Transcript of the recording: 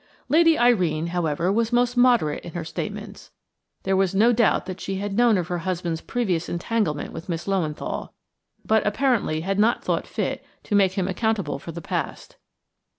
Lady Irene, however, was most moderate in her statements. There was no doubt that she had known of her husband's previous entanglement with Miss Löwenthal, but apparently had not thought fit to make him accountable for the past.